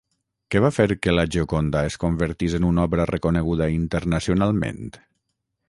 Què va fer que La Gioconda es convertís en una obra reconeguda internacionalment?